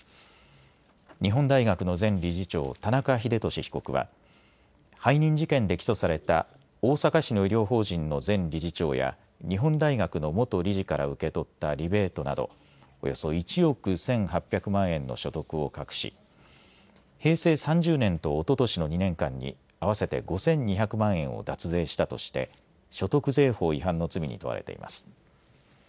日本大学の前理事長、田中英壽被告は背任事件で起訴された大阪市の医療法人の前理事長や日本大学の元理事から受け取ったリベートなどおよそ１億１８００万円の所得を隠し平成３０年とおととしの２年間に合わせて５２００万円を脱税したとして所得税法違反の罪に問われています。